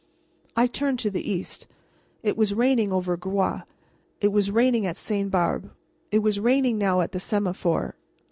I turned to the east. It was raining over Groix, it was raining at Sainte Barbe, it was raining now at the semaphore.